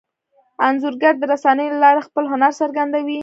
انځورګر د رسنیو له لارې خپل هنر څرګندوي.